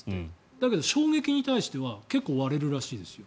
だけど衝撃に対しては結構割れるらしいですよ。